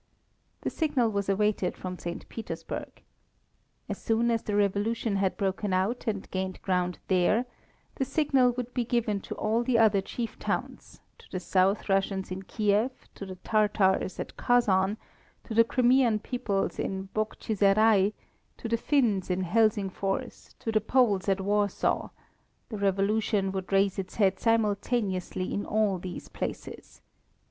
The signal was awaited from St. Petersburg. As soon as the Revolution had broken out and gained ground there, the signal would be given to all the other chief towns, to the South Russians in Kiev, to the Tartars at Kazan, to the Crimean peoples in Bogchiserai, to the Finns in Helsingfors, to the Poles at Warsaw the Revolution would raise its head simultaneously in all these places.